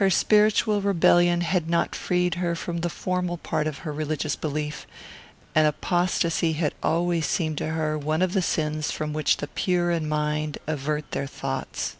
Her spiritual rebellion had not freed her from the formal part of her religious belief, and apostasy had always seemed to her one of the sins from which the pure in mind avert their thoughts.